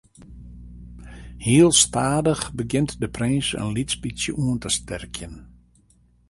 Heel stadich begjint de prins in lyts bytsje oan te sterkjen.